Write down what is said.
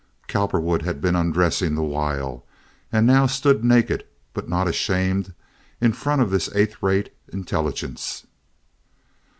Cowperwood had been undressing the while, and now stood naked, but not ashamed, in front of this eighth rate intelligence.